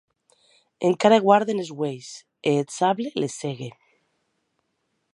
Encara guarden es uelhs, e eth sable les cègue.